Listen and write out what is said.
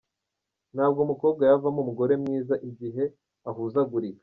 Ntabwo umukobwa yavamo umugore mwiza igihe ahuzagurika .